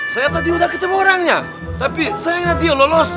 saya tadi udah ketemu orangnya tapi sayangnya dia lolos